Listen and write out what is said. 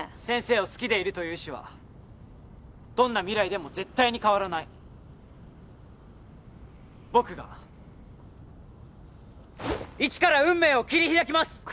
先生を好きでいるという意思はどんな未来でも絶対に変わらない僕が一から運命を切り開きます！